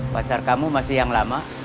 pacar kamu masih yang lama